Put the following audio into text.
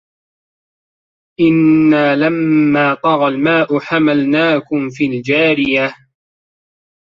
إِنّا لَمّا طَغَى الماءُ حَمَلناكُم فِي الجارِيَةِ